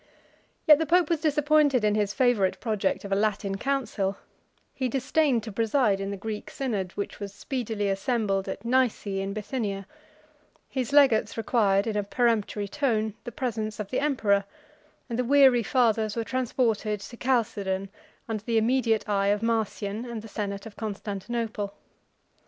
Yet the pope was disappointed in his favorite project of a Latin council: he disdained to preside in the Greek synod, which was speedily assembled at Nice in Bithynia; his legates required in a peremptory tone the presence of the emperor; and the weary fathers were transported to Chalcedon under the immediate eye of Marcian and the senate of Constantinople.